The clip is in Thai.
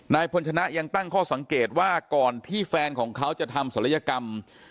นายพลชนะยังตั้งข้อสังเกตว่าก่อนที่แฟนของเขาจะทำศัลยกรรม